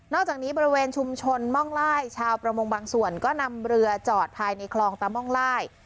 จากนี้บริเวณชุมชนม่องไล่ชาวประมงบางส่วนก็นำเรือจอดภายในคลองตาม่องไล่